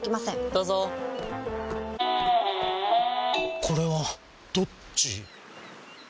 どうぞこれはどっち？